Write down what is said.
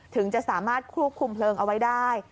ถึงจะสามารถควบคุมเพลิงเอาไว้ได้